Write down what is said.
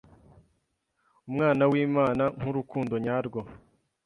Umwana wimana nkurukundo nyarwo